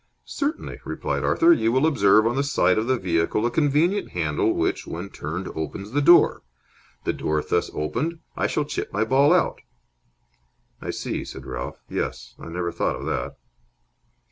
"Certainly," replied Arthur. "You will observe on the side of the vehicle a convenient handle which, when turned, opens the door. The door thus opened, I shall chip my ball out!" "I see," said Ralph. "Yes, I never thought of that."